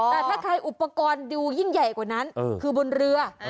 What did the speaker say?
แต่ถ้าใครอุปกรณ์ดูยิ่งใหญ่กว่านั้นคือบนเรือ